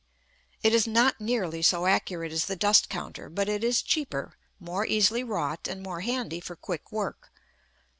It is not nearly so accurate as the dust counter; but it is cheaper, more easily wrought, and more handy for quick work.